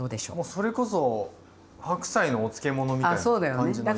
それこそ白菜のお漬物みたいな感じの印象です。